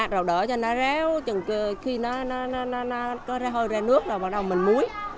rồi đỡ cho nó réo chừng khi nó hơi ra nước rồi bắt đầu mình muối